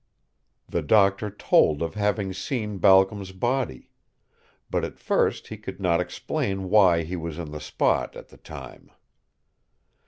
The doctor told of having seen Balcom's body. But at first he could not explain why he was in the spot at the time.